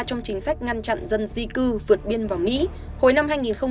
trong chính sách ngăn chặn dân di cư vượt biên vào mỹ hồi năm hai nghìn một mươi năm